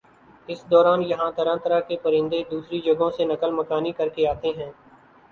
اس دوران یہاں طرح طرح کے پرندے دوسری جگہوں سے نقل مکانی کرکے آتے ہیں